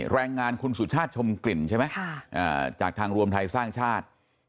แรงงานสุชาติชมกลิ่นทางรวมไทยสร้างชาติ